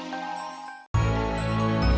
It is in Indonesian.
sampai jumpa lagi pak